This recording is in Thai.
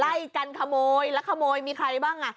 ไล่กันขโมยแล้วขโมยมีใครบ้างอ่ะ